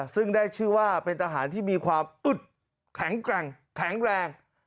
ซึ่งได้ชื่อว่าเป็นทหารที่มีความอึดแข็งแกร่งแข็งแรง